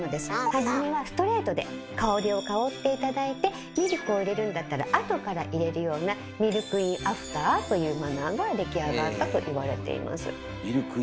初めはストレートで香りを香って頂いてミルクを入れるんだったらあとから入れるような「ミルク・イン・アフター」というマナーが出来上がったといわれています。